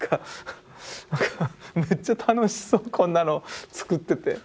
めっちゃ楽しそうこんなの作ってて。